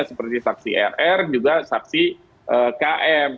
seperti saksi rr juga saksi km